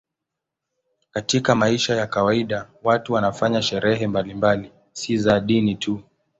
Katika maisha ya kawaida watu wanafanya sherehe mbalimbali, si za dini tu.